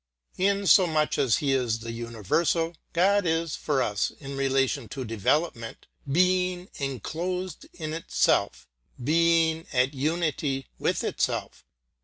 In so much as He is the universal, God is, for us, in relation to development, Being enclosed in itself, Being at unity with itself.